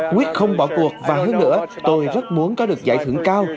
quyết không bỏ cuộc và hơn nữa tôi rất muốn có được giải thưởng cao